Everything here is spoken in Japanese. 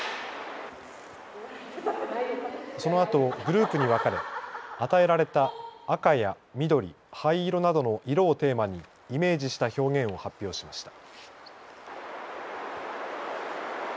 そのあとグループに分かれ与えられた赤や緑、灰色などの色をテーマにイメージした表現を発表しました。